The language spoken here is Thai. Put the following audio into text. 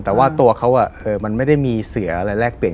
แต่ว่าตัวเขามันไม่ได้มีเสืออะไรแลกเปลี่ยน